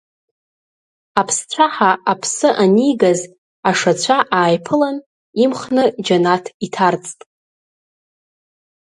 Аԥсцәаҳа аԥсы анигаз ашацәа ааиԥылан, имхны џьанаҭ иҭарҵт.